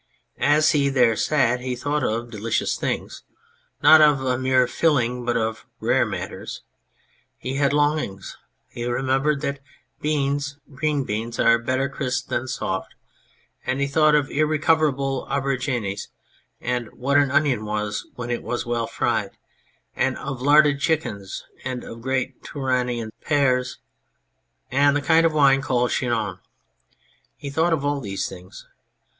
As he there sat he thought of delicious things ; not of a mere filling, but of rare matters. He had longings. He remembered that beans, green beans, are better crisp than soft ; and he thought of irre coverable aubergines, and of what an onion was when it was well fried, and of larded chickens, and of great Touranian pears, and of the kind of wine called Chinon ; he thought of all these things.